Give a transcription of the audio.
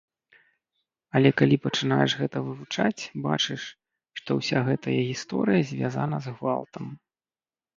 Але калі пачынаеш гэта вывучаць, бачыш, што ўся гэтая гісторыя звязана з гвалтам.